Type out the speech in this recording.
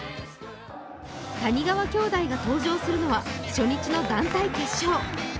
谷川兄弟が登場するのは初日の団体決勝。